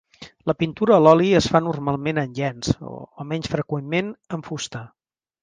La pintura a l'oli es fa normalment en llenç o, menys freqüentment, en fusta.